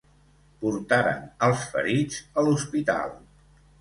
Portaren els ferits a l'hospital.